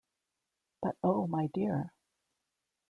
But oh, my dear!